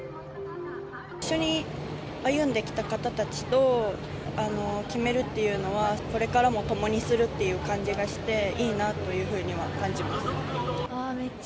一緒に歩んできた方たちと決めるっていうのは、これからも共にするっていう感じがして、いいなというふうには感じます。